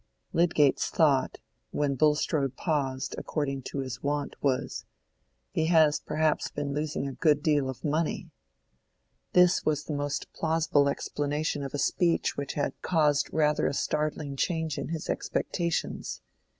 Lydgate's thought, when Bulstrode paused according to his wont, was, "He has perhaps been losing a good deal of money." This was the most plausible explanation of a speech which had caused rather a startling change in his expectations.